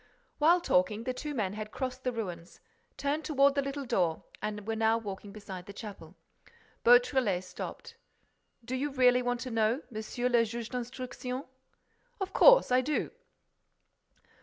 While talking, the two men had crossed the ruins, turned toward the little door and were now walking beside the chapel. Beautrelet stopped: "Do you really want to know, Monsieur le Juge d'Instruction?" "Of course, I do."